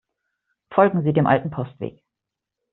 Folgen Sie dem alten Postweg.